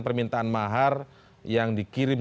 permintaan mahar yang dikirim